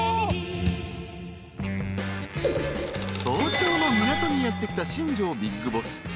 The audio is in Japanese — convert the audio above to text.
［早朝の港にやって来た新庄ビッグボス］